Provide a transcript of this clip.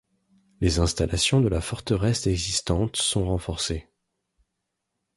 Les installations de la forteresse existante sont renforcées.